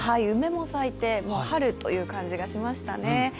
梅も咲いて春という感じがしましたね。